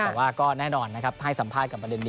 แต่ว่าก็แน่นอนให้สัมภาษณ์กับประเด็นดี